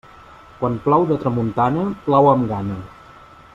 Quan plou de tramuntana, plou amb gana.